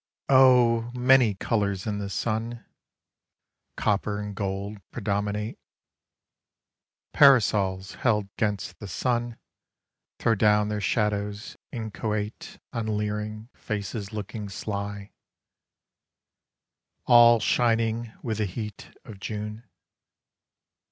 Oh ! many colours in the sun ; Copper and gold predominate ! Parasols held 'gainst the sun Throw down their shadows inchoate On leering faces looking sly — All shining with the heat of June.